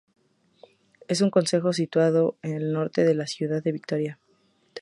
Es un concejo situado al norte de la ciudad de Vitoria.